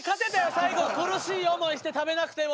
最後苦しい思いして食べなくても。